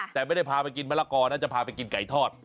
แต่ไม่ได้พาไปกินมะละกอนะจะพาไปกินไก่ทอด